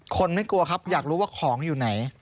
คนไม่กลัวครับอยากรู้ว่าของอยู่ไหน